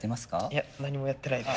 いや何もやってないです。